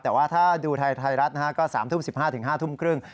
แต่ว่าถ้าดูไทยรัฐก็๓ทุ่ม๑๕๕ทุ่มครึ่ง